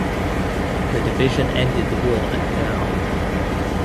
The division ended the war at Pillau.